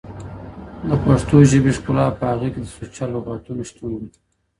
د پښتو ژبي ښکلا په هغې کي د سوچه لغتونو شتون دی